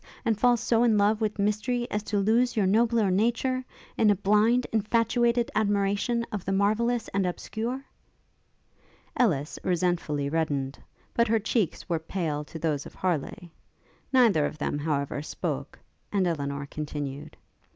and fall so in love with mystery, as to lose your nobler nature, in a blind, infatuated admiration of the marvellous and obscure?' Ellis resentfully reddened; but her cheeks were pale to those of Harleigh. Neither of them, however, spoke; and Elinor continued.